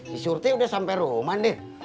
si surti udah sampe rumah nih